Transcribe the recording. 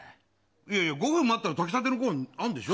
いやいや、５分待ったら炊き立てのごはんあんでしょ？